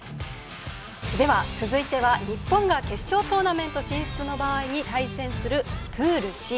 続いては日本が決勝トーナメント進出の場合に対戦するプールＣ。